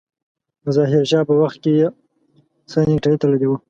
د ظاهر شاه په وخت کې يې سره نيکټايي تړلې وه.